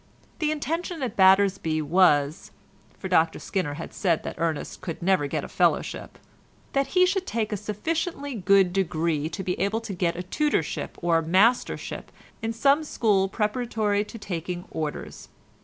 The intention at Battersby was (for Dr Skinner had said that Ernest could never get a fellowship) that he should take a sufficiently good degree to be able to get a tutorship or mastership in some school preparatory to taking orders.